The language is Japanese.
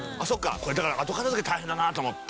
これだから後片付け大変だなと思って。